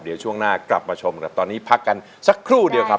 เดี๋ยวช่วงหน้ากลับมาชมกันตอนนี้พักกันสักครู่เดียวครับ